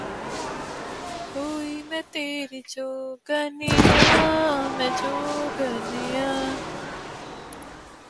Few indeed were rich enough to enjoy this inestimable privilege.